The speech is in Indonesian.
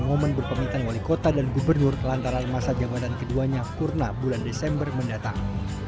momen berpamitan wali kota dan gubernur lantaran masa jabatan keduanya purna bulan desember mendatang